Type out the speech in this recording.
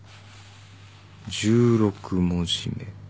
１６文字目。